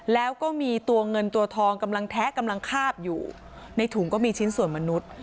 แล้วก็มีตัวเงินตัวทองกำลังแทะกำลังคาบอยู่ในถุงก็มีชิ้นส่วนมนุษย์